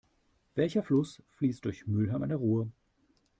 Welcher Fluss fließt durch Mülheim an der Ruhr?